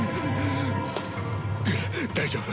大丈夫。